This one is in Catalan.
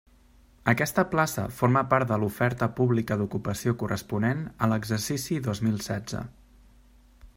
Aquesta plaça forma part de l'Oferta pública d'ocupació corresponent a l'exercici dos mil setze.